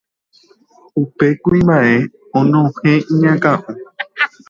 upe kuimba'e onohẽ iñakão